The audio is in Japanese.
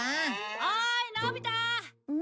おーいのび太！